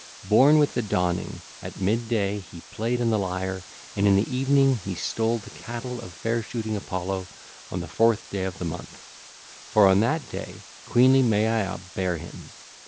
Born with the dawning, at mid day he played on the lyre, and in the evening he stole the cattle of far shooting Apollo on the fourth day of the month; for on that day queenly Maia bare him.